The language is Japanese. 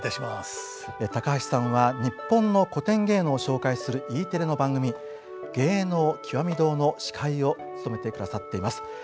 高橋さんは日本の古典芸能を紹介するＥテレの番組「芸能きわみ堂」の司会を務めて下さっています。